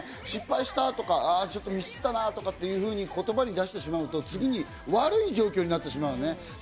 失敗したとか、ミスったなとかいうふうに言葉に出してしまうと、次に悪い状況になってしまう。